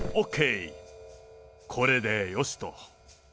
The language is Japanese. これでよしと。